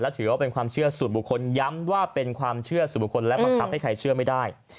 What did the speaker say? ถือว่าเป็นความเชื่อส่วนบุคคลย้ำว่าเป็นความเชื่อสู่บุคคลและบังคับให้ใครเชื่อไม่ได้